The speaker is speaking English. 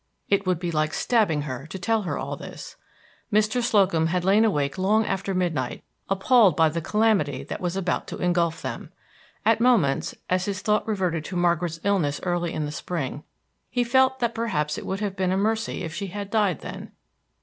It would be like stabbing her to tell her all this. Mr. Slocum had lain awake long after midnight, appalled by the calamity that was about to engulf them. At moments, as his thought reverted to Margaret's illness early in the spring, he felt that perhaps it would have been a mercy if she had died then.